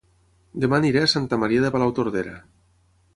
Dema aniré a Santa Maria de Palautordera